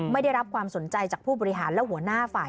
ไม่ได้รับความสนใจจากผู้บริหารและหัวหน้าฝ่าย